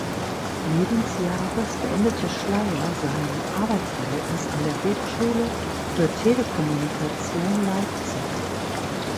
Lebensjahres beendete Schlayer sein Arbeitsverhältnis an der Hochschule für Telekommunikation Leipzig.